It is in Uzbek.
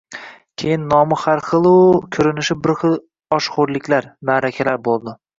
Keyin nomi har xil-u, koʻrinishi bir xil oshxoʻrliklar – maʼrakalar boʻldi.